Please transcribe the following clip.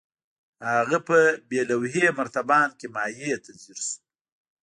هغه په بې لوحې مرتبان کې مايع ته ځير شو.